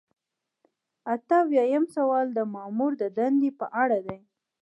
اته اویایم سوال د مامور د دندې په اړه دی.